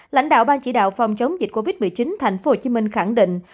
lãnh đạo bang chỉ đạo phòng chống dịch covid một mươi chín thành phố hồ chí minh khẳng định